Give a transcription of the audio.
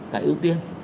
cái ưu tiên